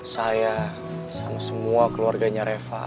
saya sama semua keluarganya reva